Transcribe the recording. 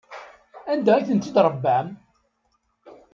Anda ay ten-id-tṛebbam?